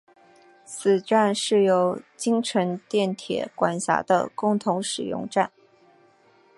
此站是由京成电铁管辖的共同使用站。